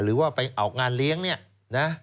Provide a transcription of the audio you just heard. หรือว่าไปออกงานเลี้ยงเนี่ยนะ